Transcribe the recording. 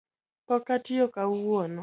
Pok atiyo kawuono.